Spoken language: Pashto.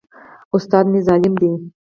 استاد مي ظالم دی.